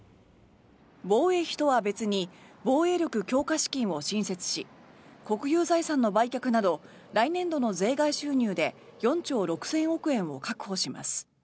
防衛費とは別に防衛力強化資金を新設し国有財産の売却など来年度の税外収入で４兆６０００億円を確保します。